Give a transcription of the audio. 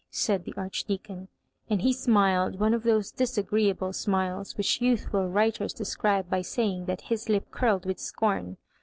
said the Archdeacon; and he smiled one of those disagreeable smiles which youthful writers describe by saying that his lip curled with scorn.